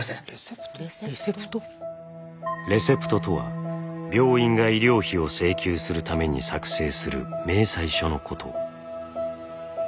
「レセプト」とは病院が医療費を請求するために作成する明細書のこと。